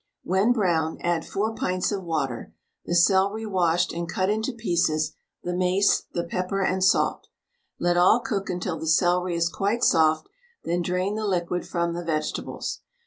When brown, add 4 pints of water, the celery washed and cut into pieces, the mace, the pepper and salt. Let all cook until the celery is quite soft, then drain the liquid from the vegetables.